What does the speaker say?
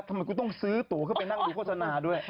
ทำไมกูต้องซื้อตัวเข้าไปนั่งดูโฆษณาด้วย